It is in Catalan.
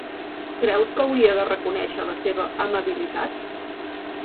Creus que hauria de reconèixer la seva amabilitat?